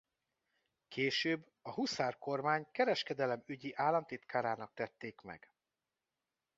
Később a Huszár-kormány kereskedelemügyi államtitkárának tették meg.